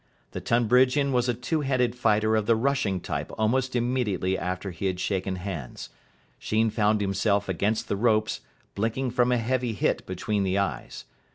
The Tonbridgian was a two handed fighter of the rushing type almost immediately after he had shaken hands. Sheen found himself against the ropes, blinking from a heavy hit between the eyes.